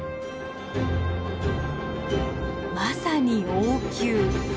まさに「王宮」。